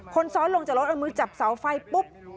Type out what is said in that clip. คนซ้อนลงจากรถเอามือจับเสาไฟปุ๊บ